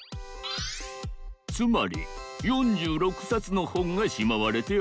つまり４６さつのほんがしまわれておる。